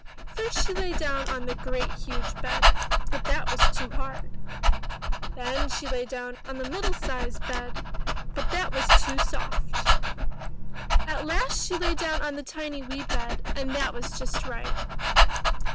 First she lay down on the great huge bed, but that was too hard. Then she lay down on the middle sized bed, but that was too soft. At last she lay down on the tiny wee bed, and that was just right.